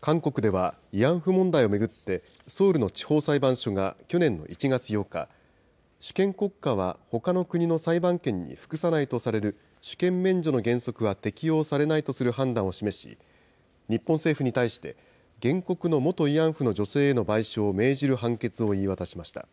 韓国では、慰安婦問題を巡って、ソウルの地方裁判所が去年の１月８日、主権国家はほかの国の裁判権に服さないとされる、主権免除の原則は適用されないとする判断を示し、日本政府に対して原告の元慰安婦の女性への賠償を命じる判決を言い渡しました。